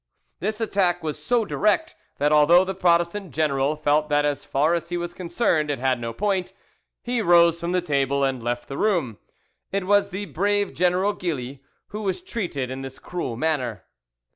This attack was so direct, that although the Protestant general felt that as far as he was concerned it had no point, he rose from table and left the room. It was the brave General Gilly who was treated in this cruel manner.